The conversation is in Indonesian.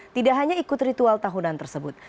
tidak hanya ikut ritual tahunan tersebut